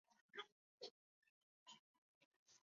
一篇乱七八糟的外传